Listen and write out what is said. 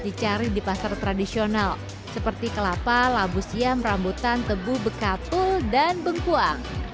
dicari di pasar tradisional seperti kelapa labu siam rambutan tebu bekatul dan bengkuang